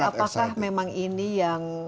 apakah memang ini yang